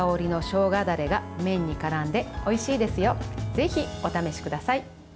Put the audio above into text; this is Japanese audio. ぜひお試しください。